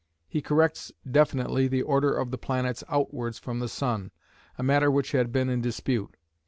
He corrects definitely the order of the planets outwards from the sun, a matter which had been in dispute.